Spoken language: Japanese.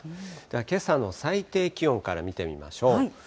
けさの最低気温から見てみましょう。